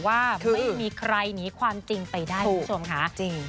ว่าไม่มีใครหนีความจริงไปได้คุณผู้ชมค่ะ